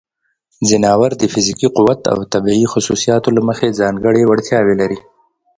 ځناور د فزیکي قوت او طبیعی خصوصیاتو له مخې ځانګړې وړتیاوې لري.